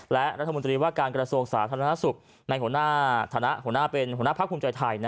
และรัฐมนตรีว่าการกระโสกสาธารณสุขในฐานะภาคภูมิใจไทย